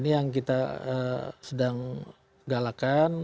yang kita sedang galakan